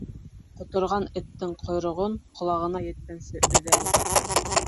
Ҡоторған эттең ҡойроғон ҡолағына еткәнсе өҙәләр.